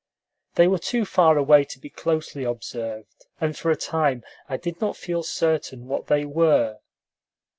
They were too far away to be closely observed, and for a time I did not feel certain what they were.